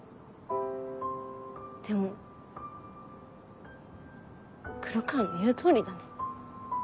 でも黒川の言う通りだね。